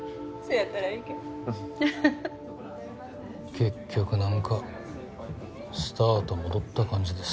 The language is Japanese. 結局何かスタート戻った感じです。